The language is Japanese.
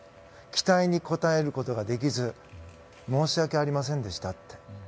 期待に応えることができず申し訳ありませんでしたって。